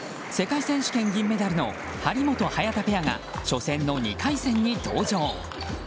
世界選手権銀メダルの張本、早田ペアが初戦の２回戦に登場。